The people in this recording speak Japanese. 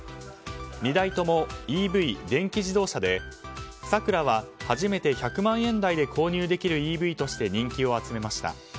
２台ともＥＶ・電気自動車でサクラは初めて１００万円台で購入できるＥＶとして人気を集めました。